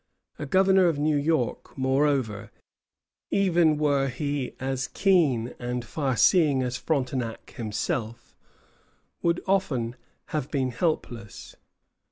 A governor of New York, moreover, even were he as keen and far seeing as Frontenac himself, would often have been helpless.